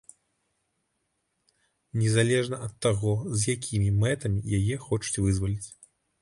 Незалежна ад таго, з якімі мэтамі яе хочуць вызваліць!